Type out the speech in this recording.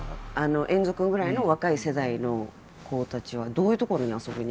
エンゾ君ぐらいの若い世代の子たちはどういう所に遊びに行くんだろう？